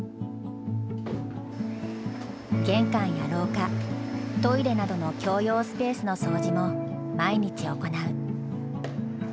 玄関や廊下トイレなどの共用スペースの掃除も毎日行う。